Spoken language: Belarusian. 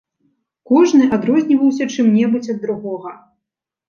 Кожны адрозніваўся чым-небудзь ад другога.